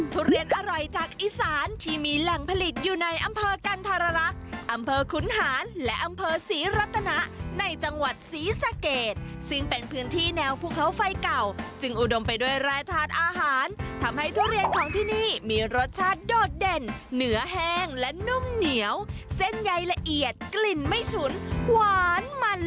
ทุเรียนอร่อยจากอีสานที่มีแหล่งผลิตอยู่ในอำเภอกันธรรักษ์อำเภอขุนหารและอำเภอศรีรัตนะในจังหวัดศรีสะเกดซึ่งเป็นพื้นที่แนวภูเขาไฟเก่าจึงอุดมไปด้วยรายทานอาหารทำให้ทุเรียนของที่นี่มีรสชาติโดดเด่นเนื้อแห้งและนุ่มเหนียวเส้นใยละเอียดกลิ่นไม่ฉุนหวานมัน